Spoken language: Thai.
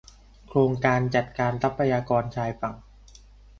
โครงการจัดการทรัพยากรชายฝั่ง